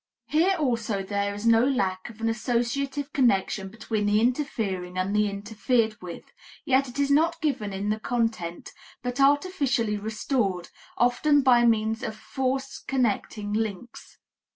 Here also there is no lack of an associative connection between the interfering and the interfered with, yet it is not given in the content, but artificially restored, often by means of forced connecting links.